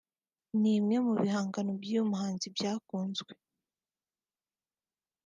ni imwe mu bihangano by’uyu muhanzi byakunzwe